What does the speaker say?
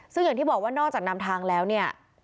ซึ่งอย่างที่บอกว่านอกจากนำทางแล้วเนี่ย